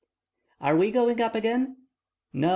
"Are we going up again?" "No.